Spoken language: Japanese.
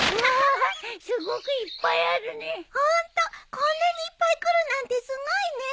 こんなにいっぱい来るなんてすごいね。